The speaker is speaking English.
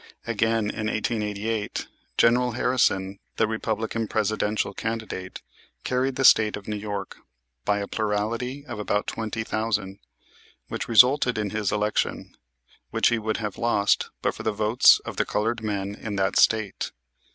Again, in 1888, General Harrison, the Republican Presidential candidate, carried the State of New York by a plurality of about 20,000, which resulted in his election, which he would have lost but for the votes of the colored men in that State.